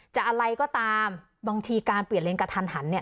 อะไรก็ตามบางทีการเปลี่ยนเลนกระทันหันเนี่ย